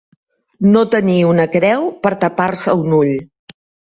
No tenir una creu per tapar-se un ull.